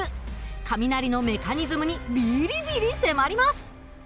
雷のメカニズムにビリビリ迫ります。